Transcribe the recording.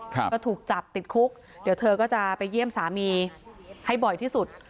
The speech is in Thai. ก็ถูกจับติดคุกเดี๋ยวเธอก็จะไปเยี่ยมสามีให้บ่อยที่สุด